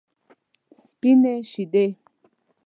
سپینې شیدې.